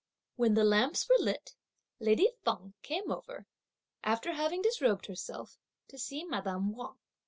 When the lamps were lit, lady Feng came over, after having disrobed herself, to see madame Wang.